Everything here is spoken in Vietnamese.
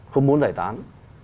không muốn giải tán